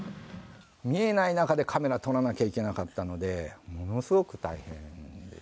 見えない中でカメラ撮らなきゃいけなかったのでものすごく大変でしたね。